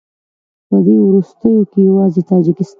په دې وروستیو کې یوازې تاجکستان